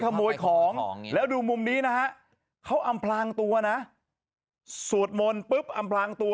ขโมยของแล้วดูมุมนี้นะฮะเขาอำพลางตัวนะสวดมนต์ปุ๊บอำพลางตัว